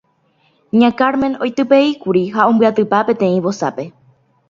Ña Carmen oitypeíkuri ha ombyatypa peteĩ vosápe.